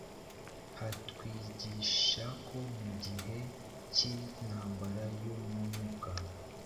hatwigisha ko mu bihe by’intambara yo mu mwuka